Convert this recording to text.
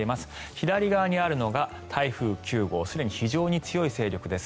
左側にあるのが台風９号すでに非常に強い勢力です。